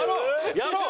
やろう！